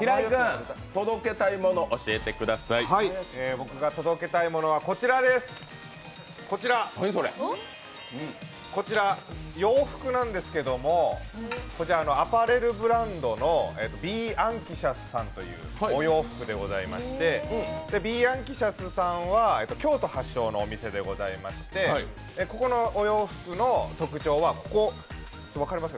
僕が届けたいものはこちら、洋服なんですけど、こちらアパレルブランドのｂｅａｎｘｉｏｕｓさんというお洋服でしてｂｅａｎｘｉｏｕｓさんは京都発祥のお店でございましてここのお洋服の特徴は、ここ、分かります？